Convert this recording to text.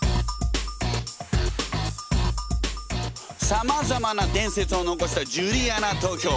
さまざまな伝説を残したジュリアナ東京。